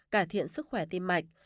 cải thiện sức khỏe tim mạch